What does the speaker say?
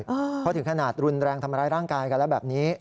เพราะถึงขนาดรุนแรงทำร้ายร่างกายกันแล้วแบบนี้